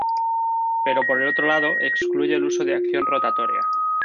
Pero por el otro lado, excluye el uso de acción rotatoria.